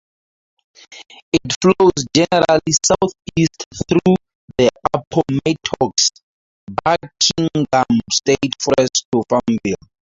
It flows generally southeast through the Appomattox-Buckingham State Forest to Farmville.